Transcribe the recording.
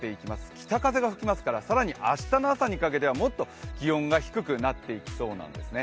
北風が吹きますから更に明日の朝にかけてはもっと気温が低くなっていきそうなんですよね